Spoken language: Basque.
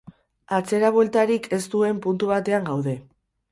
Atzerabueltarik ez duen puntu batean gaude.